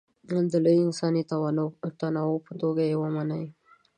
د لوی انساني تنوع په توګه یې مني.